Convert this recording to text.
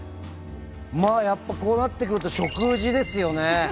やっぱこうなってくると食事ですよね。